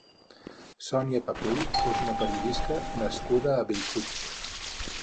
Sònia Papell és una periodista nascuda a Bellpuig.